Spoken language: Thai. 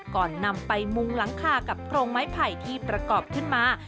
ก่อนนำไปมุงหลังคากับโพรงไม้ไผ่ที่ประกอบขึ้นมา